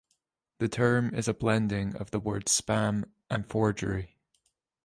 The term is a blending of the words "spam" and "forgery".